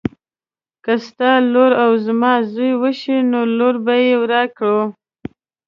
که ستا لور او زما زوی وشي نو لور به یې راکوي.